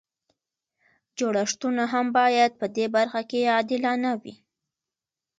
جوړښتونه هم باید په دې برخه کې عادلانه وي.